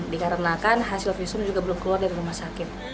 dikarenakan hasil visum juga belum keluar dari rumah sakit